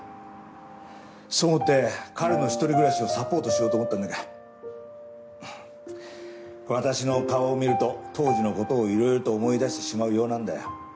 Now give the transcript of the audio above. そう思って彼の１人暮らしをサポートしようと思ったんだが私の顔を見ると当時の事をいろいろと思い出してしまうようなんだよ。